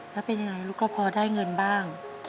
แล้วเป็นยังไงลูกก็พอได้เงินบ้าง